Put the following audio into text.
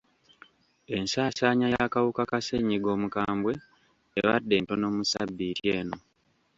Ensaasaanya y'akawuka ka ssenyigga omukambwe ebadde ntono mu ssabbiiti eno.